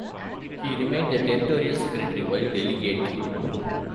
He remained the Territorial Secretary while Delegate.